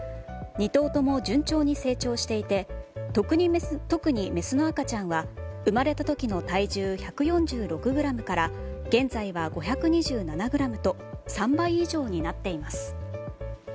２頭とも順調に成長していて特にメスの赤ちゃんは生まれた時の体重１４６ｇから現在は５２７ｇと３倍以上になっています。